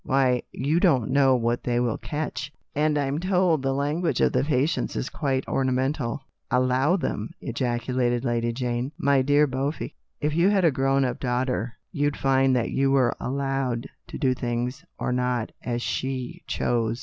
Why, you don't know what they will catch, and I'm told the language of the patients is quite ornamental," he added with a titter. "Allow them!" ejaculated Lady Jane. "My dear Beaufy, if you had a grown up daughter, you'd find that you were l allowed ' to do things or not, as she chose.